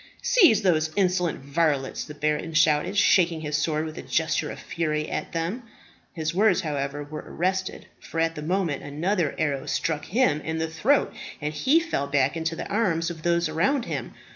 "Seize those insolent varlets!" the baron shouted, shaking his sword with a gesture of fury at them. His words, however, were arrested, for at the moment another arrow struck him in the throat, and he fell back into the arms of those around him.